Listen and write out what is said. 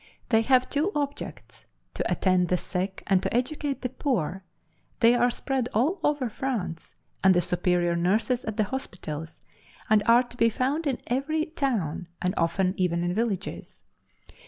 They have two objects, to attend the sick and to educate the poor; they are spread all over France, are the superior nurses at the hospitals, and are to be found in every town, and often even in villages.